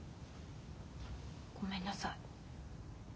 ごめんなさい。